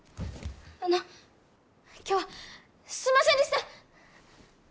あの今日はすんませんでした！